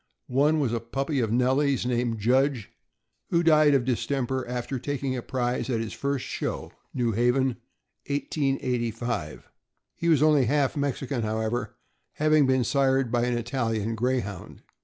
One was a puppy of Nellie's, named Judge, who died of distemper after taking a prize at his first show, New Haven, 1885. He was only half Mexican, however, having been sired by an Italian Greyhound.